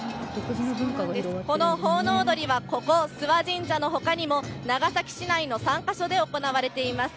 この奉納踊りは、ここ、諏訪神社のほかにも、長崎市内の３か所で行われています。